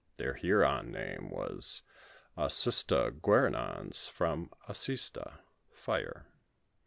Their Huron name was Asistogueronons, from oriHa (fire).